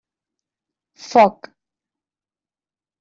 Foc.